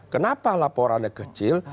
kenapa laporannya kecil